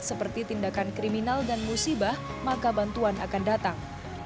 seperti tindakan kriminal dan musibah maka bantuan akan datang